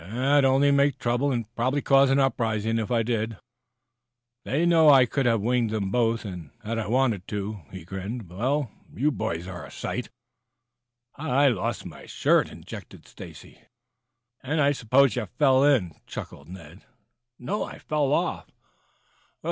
"It would only make trouble and probably cause an uprising if I did. They know I could have winged them both had I wanted to," he grinned. "Well, you boys are a sight." "I I lost my shirt," interjected Stacy. "And I suppose you fell in," chuckled Ned. "No; I fell off."